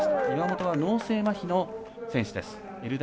岩本は脳性まひの選手です。